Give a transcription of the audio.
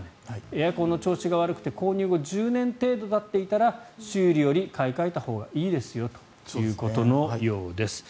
エアコンの調子が悪くて購入後１０年程度たっていたら修理より買い替えたほうがいいですよということのようです。